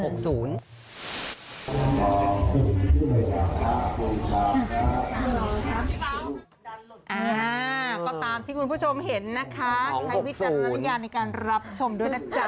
ก็ตามที่คุณผู้ชมเห็นนะคะใช้วิทยาลัยรับชมด้วยนะจ๊ะ